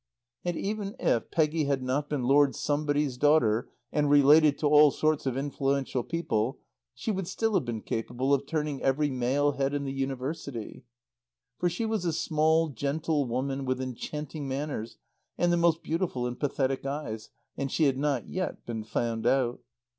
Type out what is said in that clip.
And even if Peggy had not been Lord Somebody's daughter and related to all sorts of influential people she would still have been capable of turning every male head in the University. For she was a small, gentle woman with enchanting manners and the most beautiful and pathetic eyes, and she had not yet been found out.